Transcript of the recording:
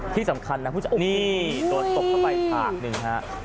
ที่สำคัญนะนี่โดนตบเข้าไปภาคหนึ่ง